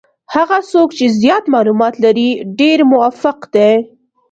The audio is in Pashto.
هغه څوک چې زیات معلومات لري ډېر موفق دي.